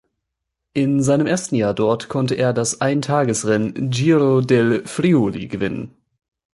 In seinem ersten Jahr dort konnte er das Eintagesrennen Giro del Friuli gewinnen.